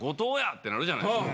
ってなるじゃないですか。